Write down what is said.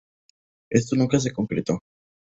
Esto nunca se concretó.